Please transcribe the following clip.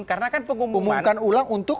karena kan pengumuman umumkan ulang untuk